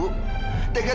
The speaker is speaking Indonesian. tegak tegaknya ibu berpikir